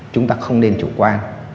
chúng ta không nên chủ quan